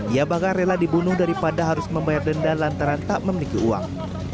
ia bahkan rela dibunuh daripada harus membayar denda lantaran tak memiliki uang